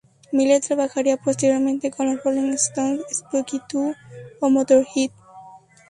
Miller trabajaría posteriormente con los Rolling Stones, Spooky Tooth o Motörhead.